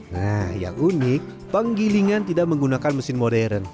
nah yang unik penggilingan tidak menggunakan mesin modern